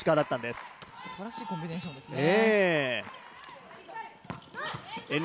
すばらしいコンビネーションですね。